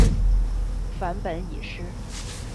梵本已失。